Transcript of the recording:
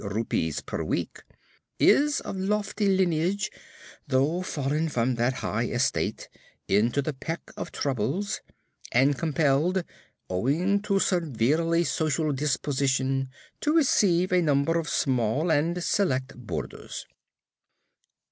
20 per week, is of lofty lineage, though fallen from that high estate into the peck of troubles, and compelled (owing to severely social disposition) to receive a number of small and select boarders.